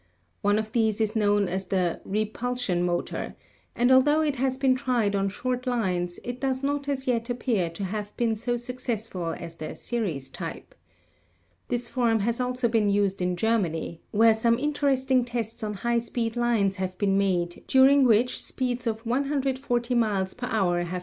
One of these is known as the "repulsion" motor, and altho it has been tried on short lines, it does not as yet appear to have been so successful as the "series" type. This form has also been used in Germany, where some interesting tests on high speed lines have been made during which speeds of 140 miles per hour have been recorded and 126 miles per hour with a car carrying passengers.